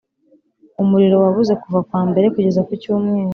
umuriro wabuze kuva kuwambere kugeza kucyumweru